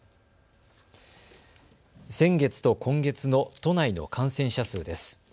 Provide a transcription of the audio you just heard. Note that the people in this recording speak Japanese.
先月と今月の都内の感染者数です。